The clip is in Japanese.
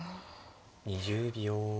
２０秒。